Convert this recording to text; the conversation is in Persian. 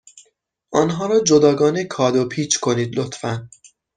آنها را جداگانه کادو پیچ کنید، لطفا.